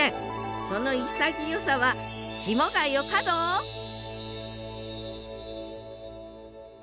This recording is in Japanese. その潔さはきもがよかど！